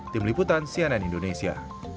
tim liputan cnn indonesia